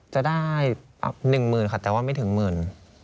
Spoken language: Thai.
จะได้หนึ่งหมื่นค่ะแต่ว่าไม่ถึงหมื่น